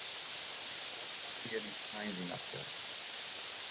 Wat barde hjir dy sneins yn april?